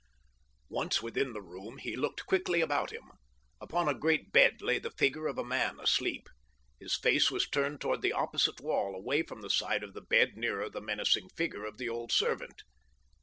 Once within the room, he looked quickly about him. Upon a great bed lay the figure of a man asleep. His face was turned toward the opposite wall away from the side of the bed nearer the menacing figure of the old servant.